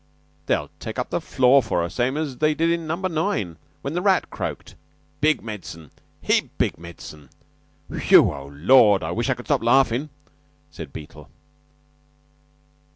"They'll have to take up the floor for her, same as they did in Number Nine when the rat croaked. Big medicine heap big medicine! Phew! Oh, Lord, I wish I could stop laughin'," said Beetle.